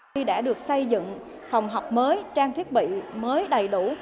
khi đã được xây dựng phòng học mới trang thiết bị mới đầy đủ